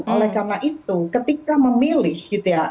oleh karena itu ketika memilih gitu ya